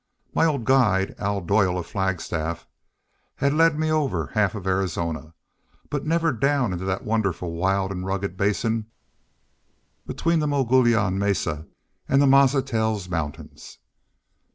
My old guide, Al Doyle of Flagstaff, had led me over half of Arizona, but never down into that wonderful wild and rugged basin between the Mogollon Mesa and the Mazatzal Mountains.